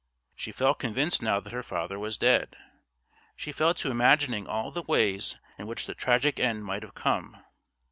She felt convinced now that her father was dead; she fell to imagining all the ways in which the tragic end might have come.